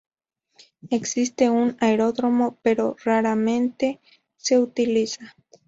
Existe un aeródromo, pero raramente se utiliza.